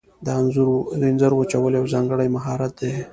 د انځرو وچول یو ځانګړی مهارت دی.